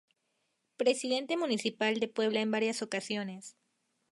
Presidente Municipal de Puebla en varias ocasiones.